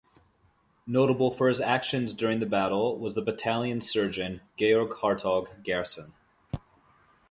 Notable for his actions during the battle was the battalion's surgeon Georg Hartog Gerson.